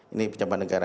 ini pejabat negara